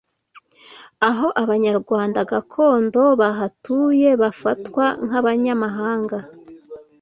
aho abanyarwanda gakondo bahatuye bafatwa nk’abanyamahanga